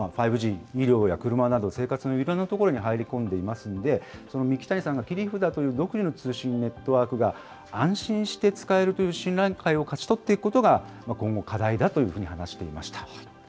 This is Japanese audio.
５Ｇ、医療や車など、生活のいろんなところに入り込んでいますんで、その三木谷さんが切り札という独自の通信のネットワークが安心して使えるという信頼感を勝ち取っていくことが、今後、課題だというふうに話していました。